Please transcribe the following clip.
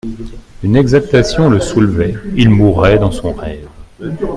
Une exaltation le soulevait, il mourait dans son rêve.